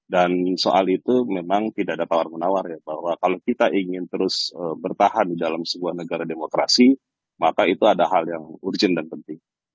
dan soal itu memang tidak ada tawar menawar ya bahwa kalau kita ingin terus bertahan di dalam sebuah negara demokrasi maka itu ada hal yang urgen dan penting